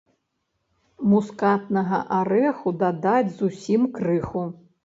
Мускатнага арэху дадаць зусім крыху.